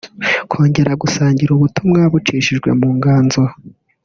kongera gusangira ubutumwa bucishijwe mu nganzo